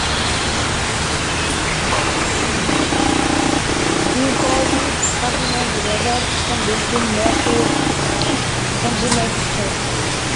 He called its arguments "rather convincing", made "with consummate style.